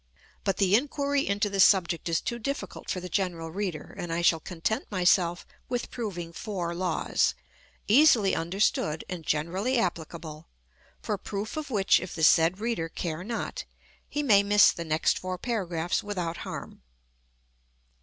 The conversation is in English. But the inquiry into this subject is too difficult for the general reader, and I shall content myself with proving four laws, easily understood and generally applicable; for proof of which if the said reader care not, he may miss the next four paragraphs without harm.